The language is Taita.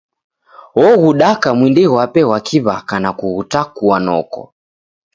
Oghudaka mwindi ghwape ghwa ki'waka na kughutakua noko.